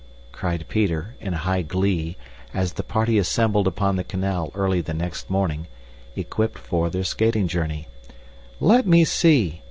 cried Peter, in high glee, as the party assembled upon the canal early the next morning, equipped for their skating journey. "Let me see.